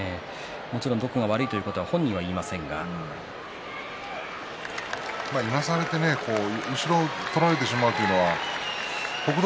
もちろんどこが悪いということはいなされて後ろを取られてしまうというのは北勝